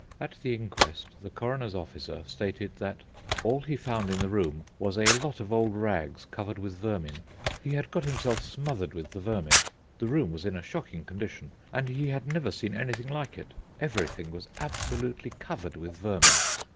At the inquest the coroner's officer stated that "all he found in the room was a lot of old rags covered with vermin. He had got himself smothered with the vermin. The room was in a shocking condition, and he had never seen anything like it. Everything was absolutely covered with vermin."